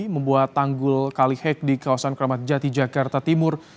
membuat tanggul kali hake di kawasan kramat jati jakarta timur